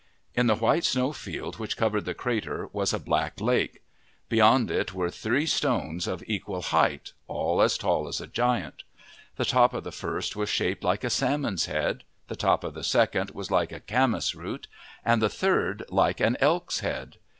In the white snow field which covered the crater was a black lake. Beyond it were three stones of equal height, all as tall as a giant. The top of the first was shaped like a salmon's head. The top of the second was like a camas root, and the third, like an elk's head.